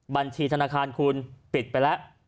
บัญชีธนาคารคุณปิดไปแล้ว